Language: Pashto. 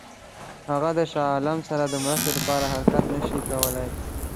هغه د شاه عالم سره د مرستې لپاره حرکت نه شي کولای.